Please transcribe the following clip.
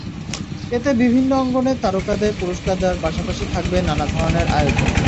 এতে বিভিন্ন অঙ্গনের তারকাদের পুরস্কার দেওয়ার পাশাপাশি থাকবে নানা ধরনের আয়োজন।